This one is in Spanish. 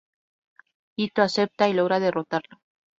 Ittō acepta, y logra derrotarlo.